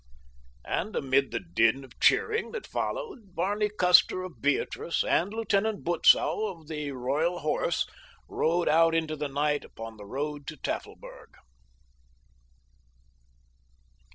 And amid the din of cheering that followed, Barney Custer of Beatrice and Lieutenant Butzow of the Royal Horse rode out into the night upon the road to Tafelberg.